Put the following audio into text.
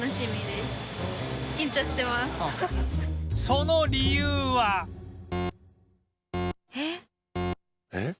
その理由はえっ？